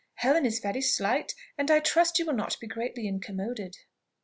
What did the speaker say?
Helen is very slight, and I trust you will not be greatly incommoded."